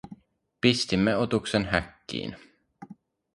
Pistimme otuksen häkkiin.